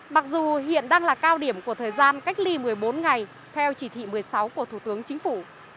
mặc dù hiện đang là cao điểm của thời gian cách ly một mươi bốn ngày theo chỉ thị một mươi sáu của thủ tướng chính phủ